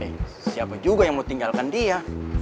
eh siapa juga yang mau tinggalkan dia